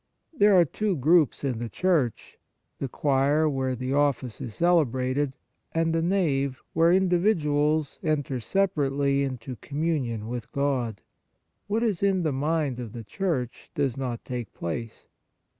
There are two groups in the church the choir where the Office is celebrated, and the nave, where individuals enter separately into communion with God. What is in the mind of the Church does not take place.